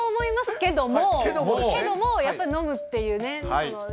けども、やっぱり飲むっていうね。